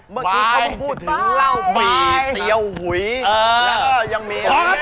เมื่อกี้เขาพูดถึงเหล้าผีเตี๋ยวหุยเออแล้วก็ยังมีพร้อมครับ